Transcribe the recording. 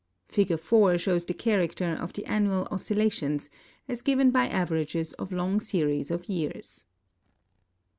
Fig. 4 shows the character of the annual oscillations, as given by averages of long series of years.